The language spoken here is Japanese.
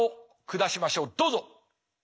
どうぞ。